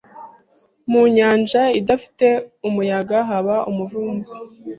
mu nyanja idafite umuyaga haba umuvumba.